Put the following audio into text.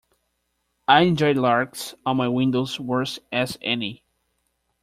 I enjoy larks on my windows worse as any.